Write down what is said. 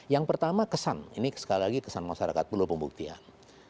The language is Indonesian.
yang pertama kesan ini sekali lagi kesan masyarakat perlu pembuktian